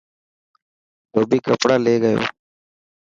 ڌوٻي ڪپڙا لي گيو.